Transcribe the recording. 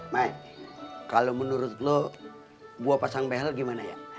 mai kalo menurut lo gua pasang behel gimana ya